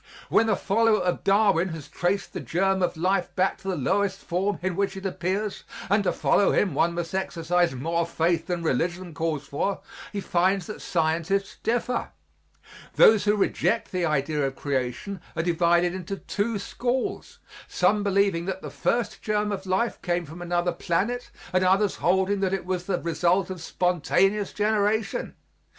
When the follower of Darwin has traced the germ of life back to the lowest form in which it appears and to follow him one must exercise more faith than religion calls for he finds that scientists differ. Those who reject the idea of creation are divided into two schools, some believing that the first germ of life came from another planet and others holding that it was the result of spontaneous generation.